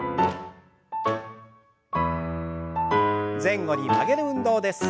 前後に曲げる運動です。